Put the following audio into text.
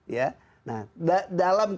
ya nah dalam